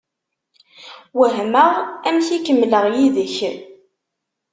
Wehmeɣ amek i kemmleɣ yid-k.